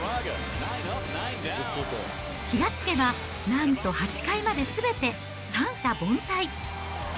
気が付けばなんと８回まですべて三者凡退。